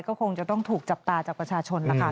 ก็คงจะต้องถูกจับตาจากประชาชนแล้วค่ะ